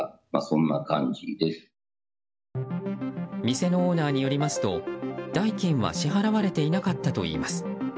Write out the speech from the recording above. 店のオーナーによりますと代金は支払われていなかったといいます。